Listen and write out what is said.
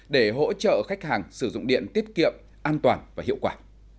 để hỗ trợ khách hàng sử dụng điện tiết kiệm an toàn và hiệu quả